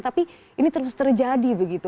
tapi ini terus terjadi begitu